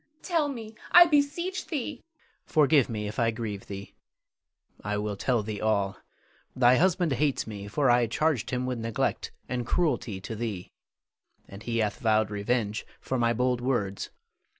Tell me, I beseech thee! Louis. Forgive me if I grieve thee. I will tell thee all. Thy husband hates me, for I charged him with neglect and cruelty to thee; and he hath vowed revenge for my bold words.